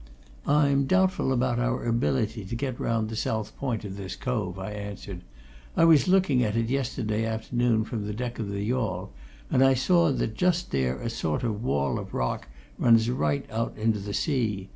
"I'm doubtful about our ability to get round the south point of this cove," I answered. "I was looking at it yesterday afternoon from the deck of the yawl, and I saw that just there a sort of wall of rock runs right out into the sea.